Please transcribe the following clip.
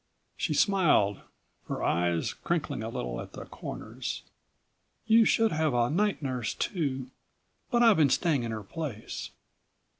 She smiled, her eyes crinkling a little at the corners. "You should have a night nurse too, but I've been staying on in her place."